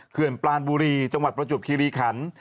เคือนปลานบุรีจังหวัดประจวบคิรีขันฯ